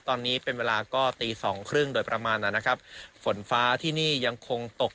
ตอนนี้เป็นเวลาก็ตีสองครึ่งโดยประมาณนั้นนะครับฝนฟ้าที่นี่ยังคงตก